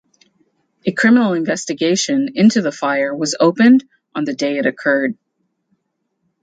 A criminal investigation into the fire was opened on the day it occurred.